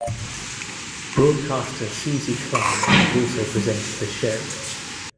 Broadcaster Suzy Klein has also presented the show.